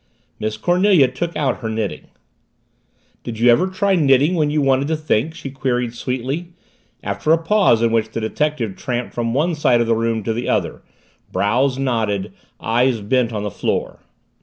Miss Cornelia took out her knitting. "Did you ever try knitting when you wanted to think?" she queried sweetly, after a pause in which the detective tramped from one side of the room to the other, brows knotted, eyes bent on the floor.